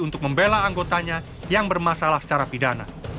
untuk membela anggotanya yang bermasalah secara pidana